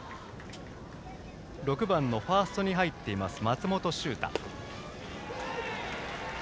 ６番のファーストに入っている松本秀太。